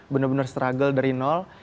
benar benar struggle dari nol